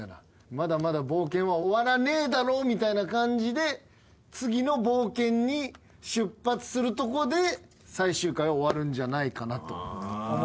まだまだ冒険は終わらねえだろみたいな感じで次の冒険に出発するとこで最終回は終わるんじゃないかなと思います。